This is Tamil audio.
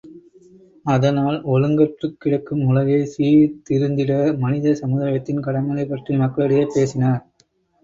அதனால், ஒருங்கற்றுக்கிடக்கும் உலகை சீர்திருந்திட மனித சமுதாயத்தின் கடமைகளைப் பற்றி மக்களிடையே பேசினார்.